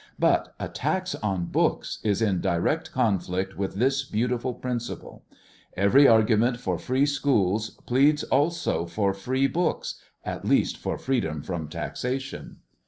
But a tax on books is in direct conflict with this beautiful principle. Every argument for free schools pleads also for free books, ŌĆö at least for freedom from taxation.